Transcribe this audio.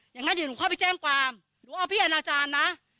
อย่างนั้นเดี๋ยวหนูเข้าไปแจ้งความหนูเอาพี่อนาจารย์นะ